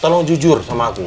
tolong jujur sama aku